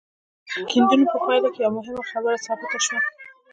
د کيندنو په پايله کې يوه مهمه خبره ثابته شوه.